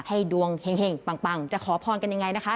ให้ดวงเห็งปังจะขอพรกันยังไงนะคะ